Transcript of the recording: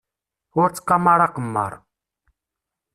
Ur ttqamar aqemmar.